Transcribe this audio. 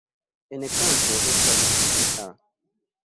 En kanto estas ia.